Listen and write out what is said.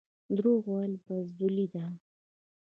دروغ ویل بزدلي ده